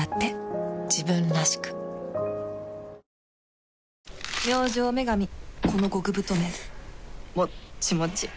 帰れば「金麦」明星麺神この極太麺もっちもち